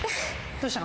どうした？